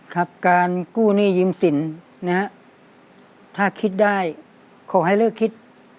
ครับการกู้หนี้ยืมสินนะฮะถ้าคิดได้ขอให้เลิกคิด